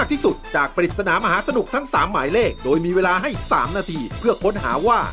ถึงพลิตสนามหาสนุกทั้งสามหมายเลขโดยมีเวลาให้๓นาทีเพื่อค้นหาว่า